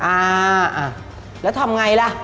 อ่าแล้วทำไงล่ะ